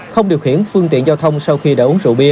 không điều khiển phương tiện giao thông sau khi đã uống rượu bia